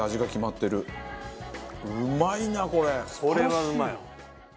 これはうまい！